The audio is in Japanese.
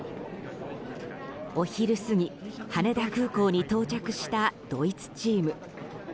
お昼過ぎ、羽田空港に到着したドイツチーム。